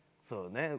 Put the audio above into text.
そうね。